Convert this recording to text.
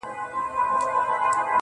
مړ به سم مړى به مي ورك سي گراني _